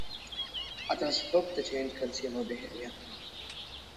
Others hope to change consumer behavior.